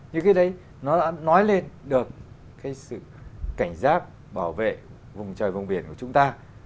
những cái đấy nó đã nói lên được cái sự cảnh giác bảo vệ vùng trời vùng biển của chúng ta